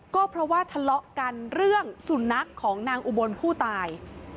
ก็เพราะว่าทะเลาะกันเรื่องสุนัขของนางอุบลผู้ตาย